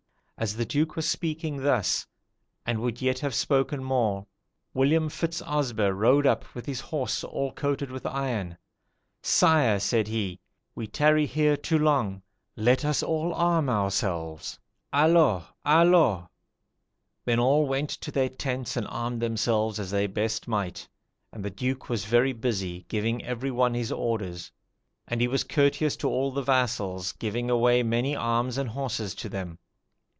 As the Duke was speaking thus, and would yet have spoken more, William Fitz Osber rode up with his horse all coated with iron: 'Sire,' said he, 'we tarry here too long, let us all arm ourselves. ALLONS! ALLONS!' "Then all went to their tents and armed themselves as they best might; and the Duke was very busy, giving every one his orders; and he was courteous to all the vassals, giving away many arms and horses to them.